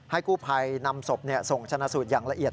กู้ภัยนำศพส่งชนะสูตรอย่างละเอียด